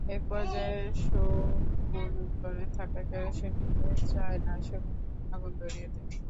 একপর্যায়ে শুক্কুর ঘরে থাকা কেরোসিন ঢেলে চায়নার শরীরে আগুন ধরিয়ে দেয়।